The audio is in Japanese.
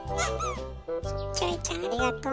キョエちゃんありがとう。